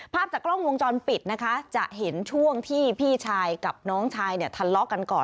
ภาพจากกล้องวงจรปิดนะคะจะเห็นช่วงที่พี่ชายกับน้องชายเนี่ยทะเลาะกันก่อน